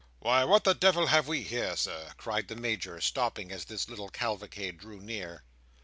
"Why, what the devil have we here, Sir!" cried the Major, stopping as this little cavalcade drew near.